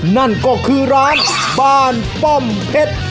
นั่นก็คือร้านบ้านป้อมเพชร